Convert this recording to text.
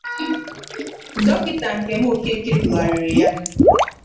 Dọkịta Nkem Okeke dughàrịrị ya.